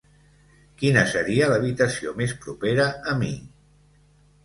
Quina seria l'habitació més propera a mi?